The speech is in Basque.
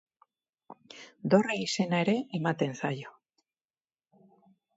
Dorrea izena ere ematen zaio.